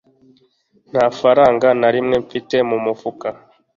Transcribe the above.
nta faranga na rimwe mfite mu mufuka